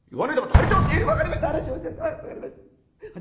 話を分かりました。